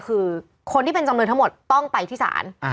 คือคนที่เป็นจำเลยทั้งหมดต้องไปที่ศาล